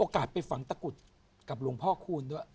ไปฝังตะกรุดกับหลวงพ่อคูณด้วย